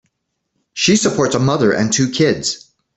She supports a mother and two kids.